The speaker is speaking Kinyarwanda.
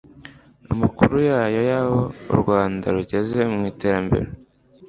amakuru nyayo y'aho u rwanda rugeze mu iterambere